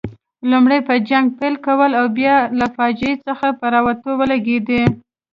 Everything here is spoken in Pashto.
لومړی په جنګ پیل کولو او بیا له فاجعې څخه په راوتلو ولګېدې.